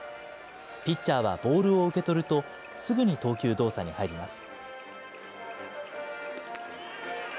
ピッチャーはボールを受け取ると、すぐに投球動作に入ります。